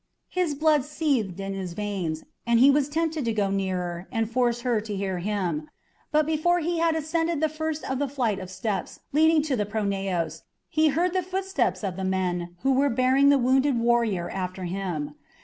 His blood seethed in his veins, and he was tempted to go nearer and force her to hear him; but before he had ascended the first of the flight of steps leading to the pronaos, he heard the footsteps of the men who were bearing the wounded warrior after him.